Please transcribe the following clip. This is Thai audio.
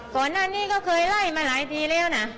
ก่อนหน้านี้ก็เคยไล่มาหลายปีแล้วนะ